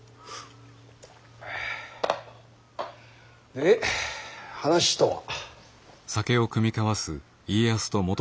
で話とは？